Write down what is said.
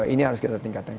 ini harus kita tingkatkan